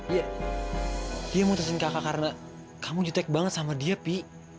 iya dia memutuskan kakak karena kamu ditek banget sama dia pi